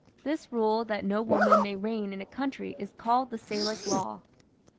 This rule that no woman may reign in a country is called the Salic Law.